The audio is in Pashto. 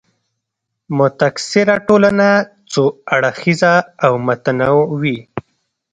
متکثره ټولنه څو اړخیزه او متنوع وي.